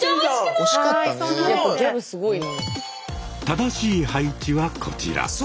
正しい配置はこちら。